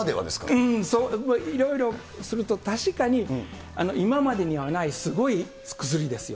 うーん、いろいろすると、確かに今までにはないすごい薬ですよ。